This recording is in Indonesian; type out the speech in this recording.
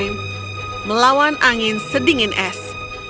dan melawan angin sedingin es